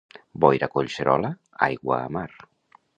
Boira a Collserola, aigua a mar.